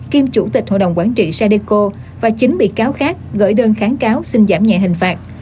kiêm chủ tịch hội đồng quản trị sadeco và chín bị cáo khác gửi đơn kháng cáo xin giảm nhẹ hình phạt